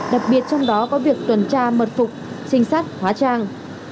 đặc biệt trong đó có việc tuần tra mật phục trinh sát hóa trang